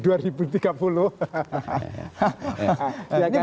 ini bukan dua ribu dua puluh empat lagi